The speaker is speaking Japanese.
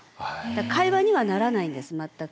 会話にはならないんです全く。